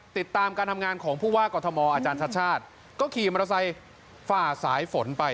ติดตามการทำงานของผู้ว่ากรทมอาจารย์ชัดชาติก็ขี่มอเตอร์ไซค์ฝ่าสายฝนไป